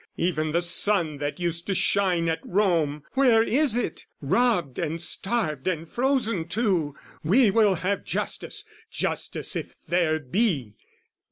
"Even the sun that used to shine at Rome, "Where is it? Robbed and starved and frozen too, "We will have justice, justice if there be!"